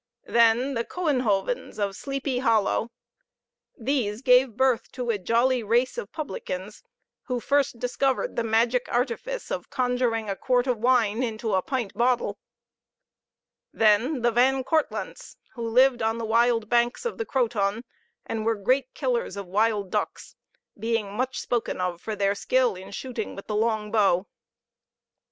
Then the Couenhovens of Sleepy Hollow; these gave birth to a jolly race of publicans, who first discovered the magic artifice of conjuring a quart of wine into a pint bottle. Then the Van Kortlandts, who lived on the wild banks of the Croton, and were great killers of wild ducks, being much spoken of for their skill in shooting with the long bow.